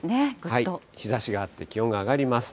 日ざしがあって、気温が上がります。